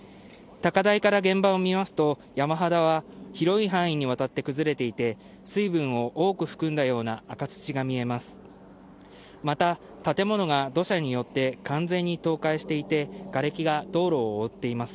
高台から現場を見ますと、山肌は広い範囲にわたって崩れていて、水分を多く含んだような赤土が見えます。